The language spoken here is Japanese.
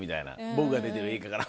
「僕が出てる映画かな」